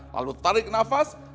lalu tarik nafas